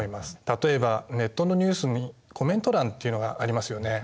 例えばネットのニュースにコメント欄っていうのがありますよね。